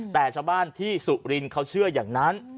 แต่ชาวบ้านที่สุรินทร์เขาเชื่ออย่างนั้น